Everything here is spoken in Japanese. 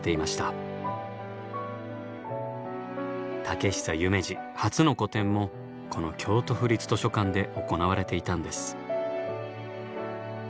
竹久夢二初の個展もこの京都府立図書館で行われていたんです。